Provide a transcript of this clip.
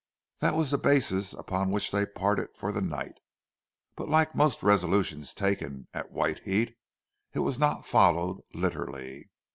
That was the basis upon which they parted for the night; but like most resolutions taken at white heat, it was not followed literally.